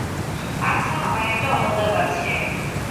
আচ্ছা, আমার একটা অনুরোধ আছে।